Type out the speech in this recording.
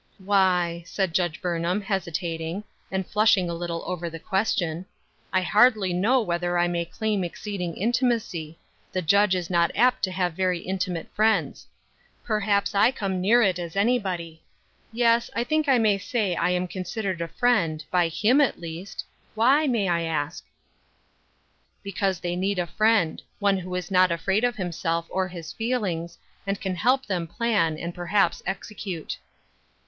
" Why," said Judge Burnham, hesitating, and flushing a little over the question, " I hardly know whether I may claim exceeding intimacy; the Judge is not apt to have very intimate friends. Perhaps I come as near it as anybody A Newly Shaped Cross, 173 Yes, I think I may say I am considered a friend — by him^ at least. Why, may I ask ?"" Because they need a friend — one who is not afraid of himself or his feelings, and can help them plan, and perhaps execute."